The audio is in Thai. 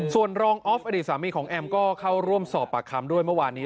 ส่วนรองออฟอดีตสามีของแอมก็เข้าร่วมสอบปากคำด้วยเมื่อวานนี้